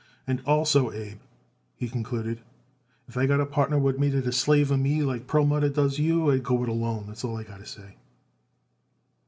"And also, Abe," he concluded, "if I got it a partner what made it a slave of me, like Perlmutter does you, I'd go it alone, that's all I got to say."